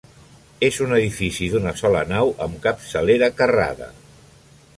És un edifici d'una sola nau amb capçalera carrada.